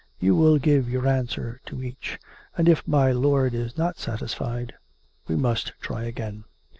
You will give your answer to each. And if my lord is not satisfied, we must try again."